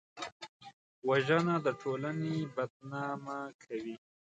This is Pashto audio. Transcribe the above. وژنه د ټولنې بدنامه کوي